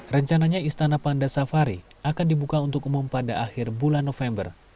rencananya istana panda safari akan dibuka untuk umum pada akhir bulan november